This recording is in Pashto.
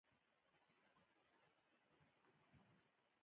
چې خط خو زما د درنې ابۍ په ژبه هم ليکل کېدای شي.